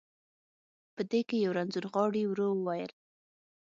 په دې کې یو رنځور غاړي، ورو وویل.